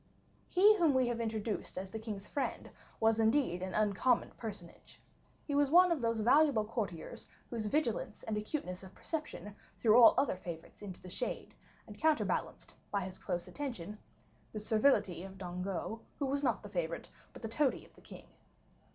He whom we have introduced as the king's friend was indeed an uncommon personage; he was one of those valuable courtiers whose vigilance and acuteness of perception threw all other favorites into the shade, and counterbalanced, by his close attention, the servility of Dangeau, who was not the favorite, but the toady of the king.